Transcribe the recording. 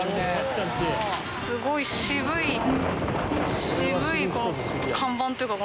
すごい！